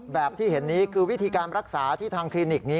แบบที่เห็นนี้คือวิธีการรักษาที่ทางคลินิกนี้